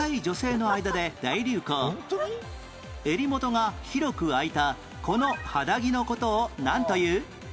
襟元が広く開いたこの肌着の事をなんという？